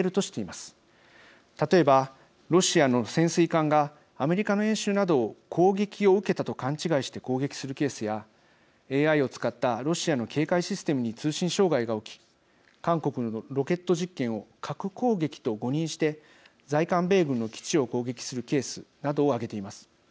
例えば、ロシアの潜水艦がアメリカの演習などを攻撃を受けたと勘違いして攻撃するケースやＡＩを使ったロシアの警戒システムに通信障害が起き韓国のロケット実験を核攻撃と誤認して在韓米軍の基地を攻撃するケースなどを挙げています。